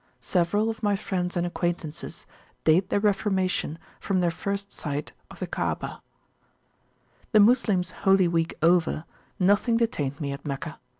Several of my friends and acquaintances date their reformation from their first sight of the Kaabah. The Moslems Holy Week over, nothing detained me at Meccah.